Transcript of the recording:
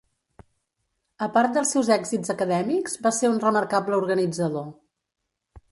A part dels seus èxits acadèmics, va ser un remarcable organitzador.